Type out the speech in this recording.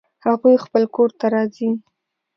هغوی خپل کور ته راځي